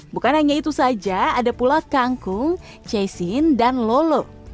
bukan hanya itu saja ada pula kangkung ceisin dan lolo